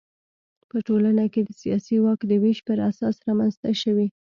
په ټولنه کې د سیاسي واک د وېش پر اساس رامنځته شوي.